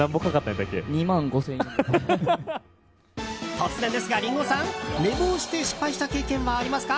突然ですが、リンゴさん。寝坊して失敗した経験はありますか？